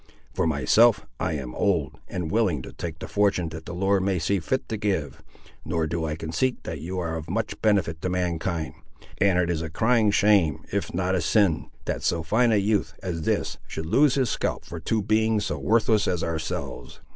For myself, I am old, and willing to take the fortune that the Lord may see fit to give, nor do I conceit that you are of much benefit to mankind; and it is a crying shame, if not a sin, that so fine a youth as this should lose his scalp for two beings so worthless as ourselves.